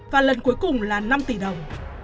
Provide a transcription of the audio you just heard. và lần cuối cùng là năm tỷ đồng